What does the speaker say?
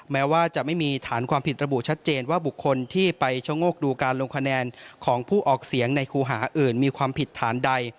แม้ว่าจะไม่มีฐานความผิดระบุชัดเจนว่าบุคคลที่ไปชะโงกดูการลงคะแนนของผู้ออกเสียงในครูหาอื่นมีความผิดฐานใด